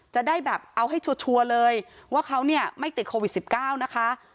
จะได้แบบเอาให้ชัวร์เลยว่าเขาเนี่ยไม่ติดโควิด๑๙นะคะ